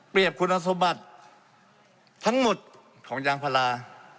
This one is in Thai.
เปรียบคุณสมบัติทั้งหมดของยางพลา